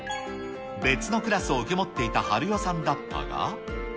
別のクラスを受け持っていた晴代さんだったが。